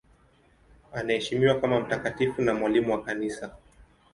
Anaheshimiwa kama mtakatifu na mwalimu wa Kanisa.